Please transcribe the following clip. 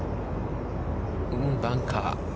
バンカー。